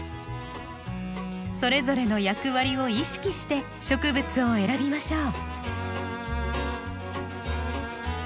それぞれの役割を意識して植物を選びましょう。